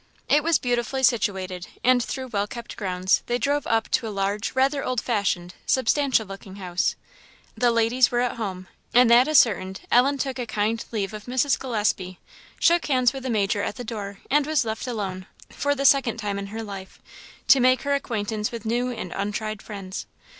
It was beautifully situated; and through well kept grounds they drove up to a large, rather old fashioned, substantial looking house. "The ladies were at home;" and that ascertained, Ellen took a kind leave of Mrs. Gillespie, shook hands with the Major at the door, and was left alone, for the second time in her life, to make her acquaintance with new and untried friends.